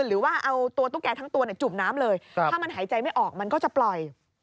หรือว่าเอาตัวตุ๊กแกทั้งตัวจุ่มน้ำเลยถ้ามันหายใจไม่ออกมันก็จะปล่อย